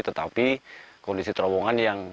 tetapi kondisi terowongan yang